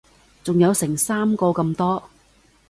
仲有成三個咁多